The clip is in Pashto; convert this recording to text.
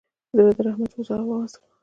زړه د رحمت هوا ساه اخلي.